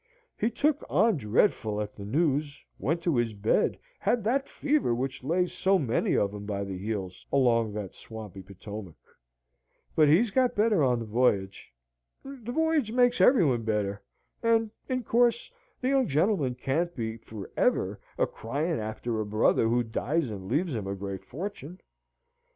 He took on dreadful at the news; went to his bed, had that fever which lays so many of 'em by the heels along that swampy Potomac, but he's got better on the voyage: the voyage makes every one better; and, in course, the young gentleman can't be for ever a crying after a brother who dies and leaves him a great fortune.